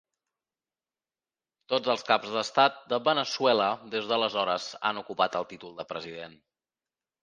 Tots els caps d'estat de Veneçuela des d'aleshores han ocupat el títol de President.